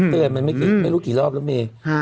เดี๋ยวฉันเตือนมันไม่รู้กี่รอบแล้วเม